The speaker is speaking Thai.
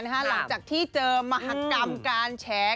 หลังจากที่เจอมหากรรมการแฉ